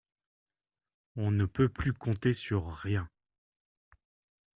On ne peut plus compter sur rien.